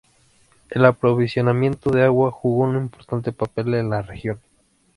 El aprovisionamiento de agua jugó un importante papel en la región.